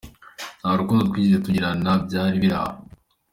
Nta rukundo twigeze tugirana byari biri aho.